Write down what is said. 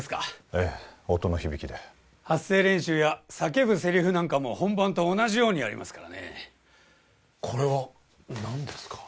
ええ音の響きで発声練習や叫ぶセリフなんかも本番と同じようにやりますからねこれは何ですか？